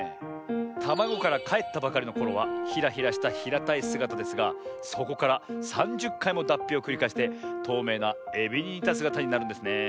たまごからかえったばかりのころはヒラヒラしたひらたいすがたですがそこから３０かいもだっぴをくりかえしてとうめいなエビににたすがたになるんですねえ。